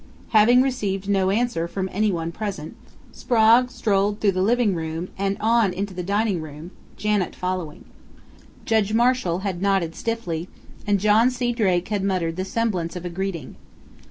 Having received no answer from anyone present, Sprague strolled through the living room and on into the dining room, Janet following. Judge Marshall had nodded stiffly, and John C. Drake had muttered the semblance of a greeting....